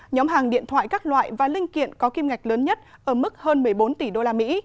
nhóm hàng điện thoại các loại và linh kiện có kim ngạch lớn nhất ở mức hơn một mươi bốn tỷ đô la mỹ